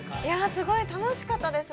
◆すごい楽しかったです。